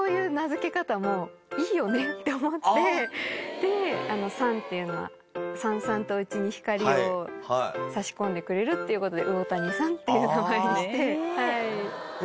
で燦っていうのはさんさんとうちに光を差し込んでくれるってことで「魚谷燦」っていう名前にして。